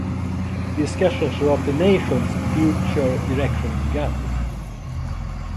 Discussions about the nation's future direction began.